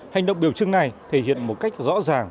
hành động biểu trưng này thể hiện một cách rõ ràng